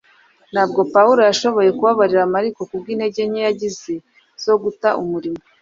Ntabwo Pawulo yashoboye kubabarira Mariko kubw’intege nke yagize zo guta umurimo